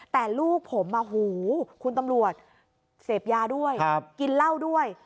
แต่ลูกผมคุณตำรวจเสพยาด้วยกินเหล้าด้วย